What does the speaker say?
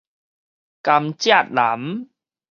甘蔗男